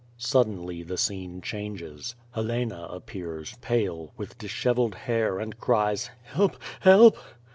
Suddenly the scene changes. Helena appears, pale, with dishevelled hair and cries "Help! Help!